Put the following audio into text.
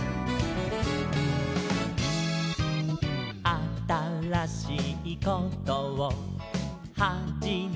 「あたらしいことをはじめましょう」